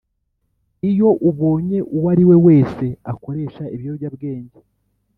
Iyo ubonye uwo ari we wese akoresha ibiyobyabwenge